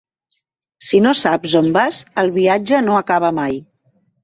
Si no saps on vas, el viatge no acaba mai.